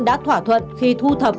đã thỏa thuận khi thu thập